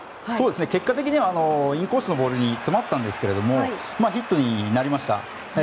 結果的にはインコースのボールに詰まったんですけどヒットになりました。